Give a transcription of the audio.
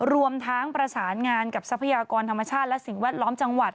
รวมทั้งประสานงานกับทรัพยากรธรรมชาติและสิ่งแวดล้อมจังหวัด